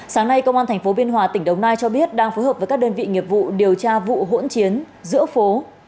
sáng nay công an tp biên hòa tỉnh đồng nai cho biết đang phối hợp với các đơn vị nghiệp vụ điều tra vụ hỗn chiến giữa phố